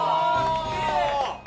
・すげえ！